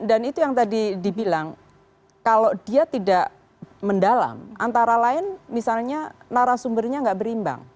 itu yang tadi dibilang kalau dia tidak mendalam antara lain misalnya narasumbernya nggak berimbang